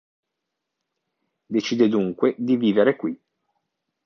Decide dunque di vivere qui.